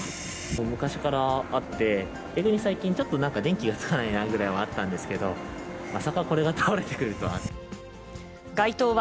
昔からあって、逆に最近ちょっと電気がつかないなぐらいはあったんですけど、まさかこれが倒れてくるとは。